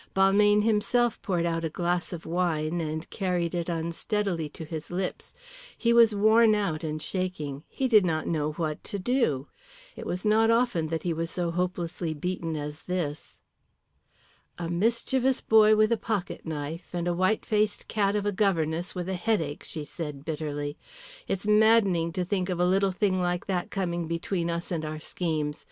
Balmayne himself poured out a glass of wine, and carried it unsteadily to his lips. He was worn out and shaking; he did not know what to do. It was not often that he was so hopelessly beaten as this. "A mischievous boy with a pocket knife, and a white faced cat of a governess with a headache," she said, bitterly. "It's maddening to think of a little thing like that coming between us and our schemes.